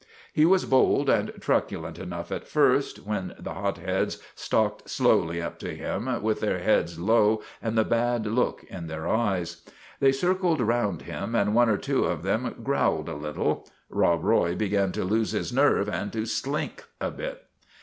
He was bold and truculent enough at first, when the hot heads stalked slowly up to him, with their heads low and the bad look in their eyes. They circled round him, and one or two of them growled a little. Rob Roy began to lose his nerve and to slink a bit.